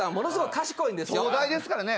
東大ですからね。